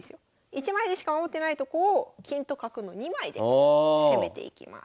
１枚でしか守ってないとこを金と角の２枚で攻めていきます。